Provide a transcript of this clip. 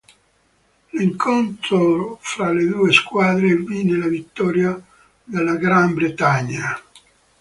L'incontro fra le due squadre vide la vittoria della Gran Bretagna.